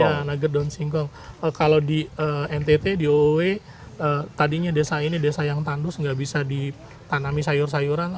iya nugger daun singkong kalau di ntt di ow tadinya desa ini desa yang tandus nggak bisa ditanami sayur sayuran